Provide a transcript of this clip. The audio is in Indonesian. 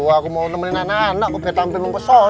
aku mau nemenin anak anak aku kayak tampil mumpes sana